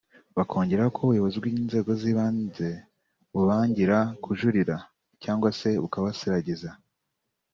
bakongeraho ko ubuyobozi bw’inzego z’ibanze bubangira kujurira cyangwa se bukabasiragiza